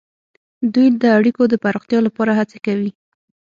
دوی د اړیکو د پراختیا لپاره هڅې کوي